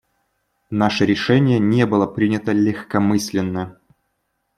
Наше решение не было принято легкомысленно.